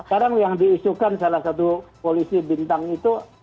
sekarang yang diisukan salah satu polisi bintang itu